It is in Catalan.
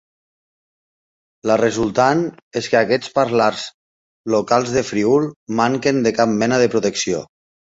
La resultant és que aquests parlars locals del Friül manquen de cap mena de protecció.